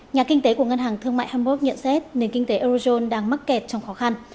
nhà kinh tế của ngân hàng thương mại hamburg nhận xét nền kinh tế eurozone đang mắc kẹt trong khó khăn